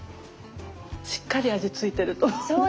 しっかり味ついてると思う。